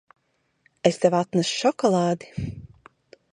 Es tev atnesu šokolādi.